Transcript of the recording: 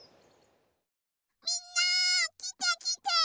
みんなきてきて！